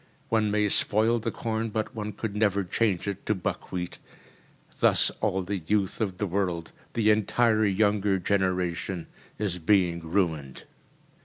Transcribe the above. One may spoil the corn, but one could never change it to buckwheat. Thus all the youth of the world, the entire younger generation, is being ruined.